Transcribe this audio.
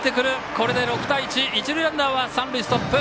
これで６対１一塁ランナーは三塁ストップ。